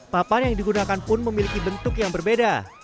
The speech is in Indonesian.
papan yang digunakan pun memiliki bentuk yang berbeda